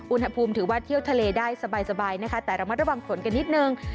อุณหภูมิถือว่าเที่ยวทะเลได้สบายนะคะแต่ระมัดระวังฝนกันนิดนึง